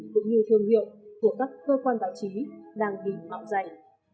cũng như thương hiệu của các cơ quan báo chí đang bị mạo dạy